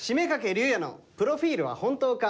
龍也のプロフィールは本当か？」。